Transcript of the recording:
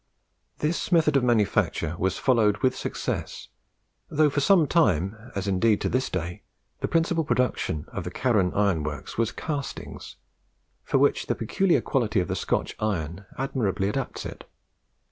This method of manufacture was followed with success, though for some time, as indeed to this day, the principal production of the Carron Works was castings, for which the peculiar quality of the Scotch iron admirably adapts it.